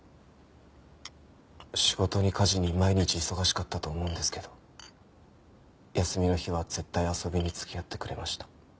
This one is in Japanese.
仕事に家事に毎日忙しかったと思うんですけど休みの日は絶対遊びに付き合ってくれました。